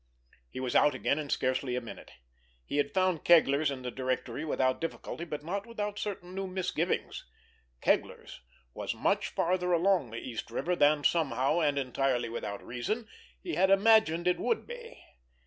He was out again in scarcely a minute. He had found Kegler's in the directory without difficulty, but not without certain new misgivings. Kegler's was much farther along the East River than, somehow, and entirely without reason, he had imagined it would be.